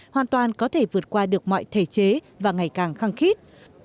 hoàn toàn có thể vượt qua được mọi thể chế và ngày càng khăng khít